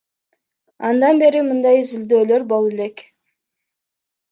Андан бери мындай изилдөөлөр боло элек.